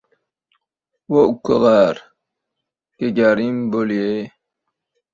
— Vo ukkag‘ar, Gagarin bo‘l-yey!